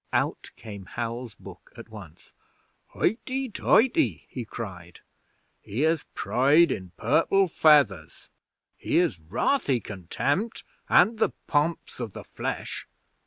Out came Hal's book at once. 'Hoity toity!' he cried. 'Here's Pride in purple feathers! Here's wrathy contempt and the Pomps of the Flesh!